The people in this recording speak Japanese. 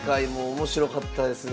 面白かったですね